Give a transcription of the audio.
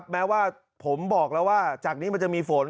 แม้ว่าผมบอกแล้วว่าจากนี้มันจะมีฝน